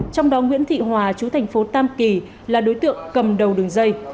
trong đó nguyễn thị hòa chú thành phố tam kỳ là đối tượng cầm đầu đường dây